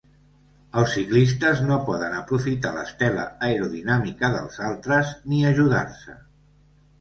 Els ciclistes no poden aprofitar l'estela aerodinàmica dels altres, ni ajudar-se.